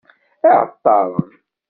Iεeṭṭaren.